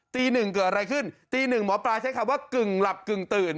ตีหนึ่งเกิดอะไรขึ้นตีหนึ่งหมอปลาใช้คำว่ากึ่งหลับกึ่งตื่น